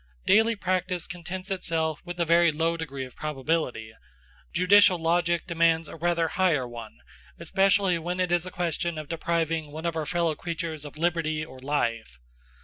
Daily practice contents itself with a very low degree of probability; judicial logic demands a rather higher one, especially when it is a question of depriving one of our fellow creatures of liberty or life.